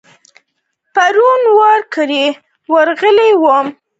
پرون ور کره ورغلی وم.